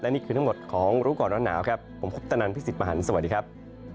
นี่คือทั้งหมดของรู้ก่อนร้อนหนาวครับผมคุปตนันพี่สิทธิมหันฯสวัสดีครับ